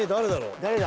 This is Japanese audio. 「誰だ？」